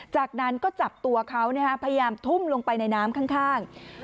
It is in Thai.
จากนั้นก็จับตัวเขาพยายามทุ่มลงไปในน้ำข้าง